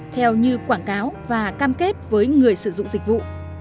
theo như quảng cáo và cam kết với người sử dụng dịch vụ